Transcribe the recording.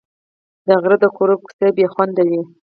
د غره د کورو کوڅې بې خونده وې.